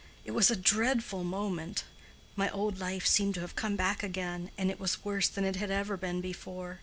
It was a dreadful moment. My old life seemed to have come back again, and it was worse than it had ever been before.